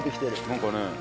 なんかね。